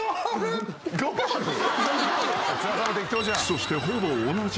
［そしてほぼ同じころ